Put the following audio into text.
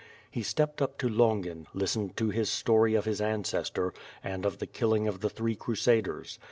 He stepped up to Longin, list ened to his story of his ancestor, and of the killing of the three crusaders.